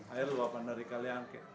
air luapan dari kaliangke